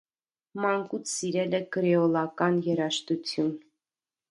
Մանկուց սիրել է կրեոլական երաժշտություն։